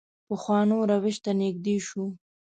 پخوانو روش ته نږدې شو.